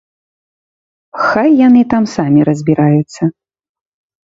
Хай яны там самі разбіраюцца.